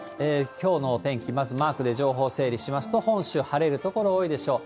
きょうのお天気、まずマークで情報整理しますと、本州、晴れる所多いでしょう。